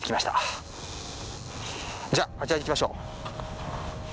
じゃああちらに行きましょう。